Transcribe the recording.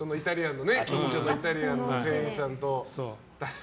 近所のイタリアンの店員さんと。